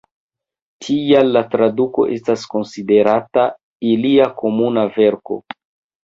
Tial la traduko estas konsiderata ilia komuna verko.